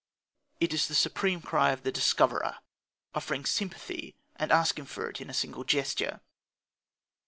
It is the supreme cry of the discoverer, offering sympathy and asking for it in a single gesture.